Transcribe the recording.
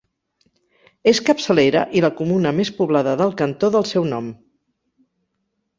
És capçalera i la comuna més poblada del cantó del seu nom.